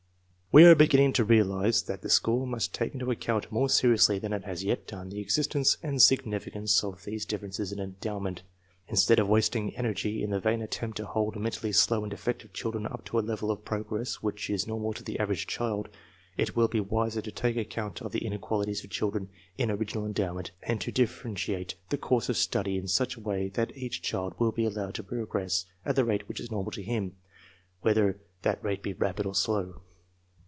We are beginning to realize that the school must take into account, more seriously than it has yet done, the existence and significance of these differences in endowment. In stead of wasting energy in the vain attempt to hold men tally slow and defective children up to a level of progress which is normal to the average child, it will be wiser to take account of the inequalities of children in original endowment and to differentiate the course of study in such a way that each child will be allowed to progress at the rate which is normal to him, whether that rate be rapid or slow.